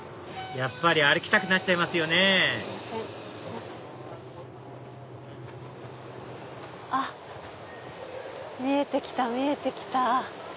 やっぱり歩きたくなっちゃいますよねあっ見えてきた見えてきた。